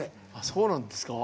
そうなんですか？